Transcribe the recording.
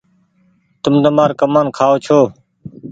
تم تمآر ڪمآن کآئو ڇو